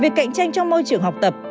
việc cạnh tranh trong môi trường học tập